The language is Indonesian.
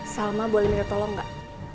salma boleh minta tolong gak